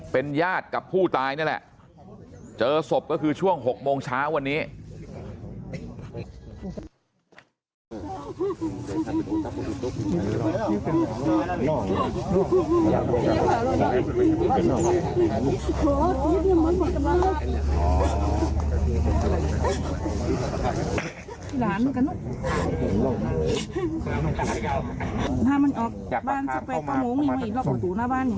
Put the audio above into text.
เป็นญาติกับผู้ตายนี่แหละเจอศพก็คือช่วง๖โมงเช้าวันนี้